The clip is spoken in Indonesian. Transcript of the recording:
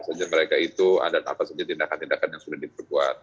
saja mereka itu ada apa saja tindakan tindakan yang sudah diperkuat